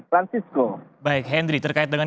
francisco baik henry terkait dengan